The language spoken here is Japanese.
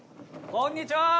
こんにちはー！